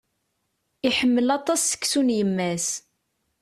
Iḥemmel aṭas seksu n yemma-s.